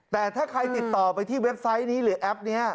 แต่ถ้าใครติดต่อไปที่เว็บไซต์นี้หรือแอปนี้